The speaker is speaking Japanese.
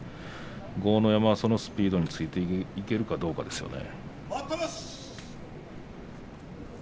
豪ノ山はそのスピードについていけるかどうかですね。